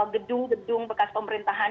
gedung gedung bekas pemerintahan